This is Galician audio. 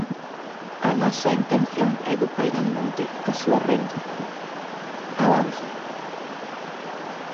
"A nosa intención é que poidan manter a súa renda", avanza.